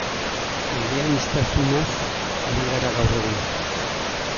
Eleaniztasunaz ari gara gaur egun.